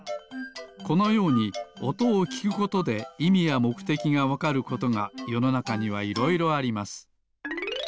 このようにおとをきくことでいみやもくてきがわかることがよのなかにはいろいろあります。